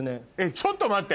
ちょっと待って。